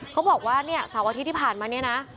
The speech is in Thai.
เขาบอกว่าเนี่ยเสาร์อาทิตย์ที่ผ่านมาเนี่ยนะ